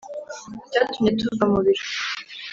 cyatumye tuva mu biro